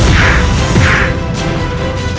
nyawamu sudah di ujung tanah